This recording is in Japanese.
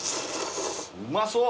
うまそう。